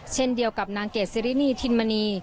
เช่นเดียวกับนางเกดซิรินีทินมณี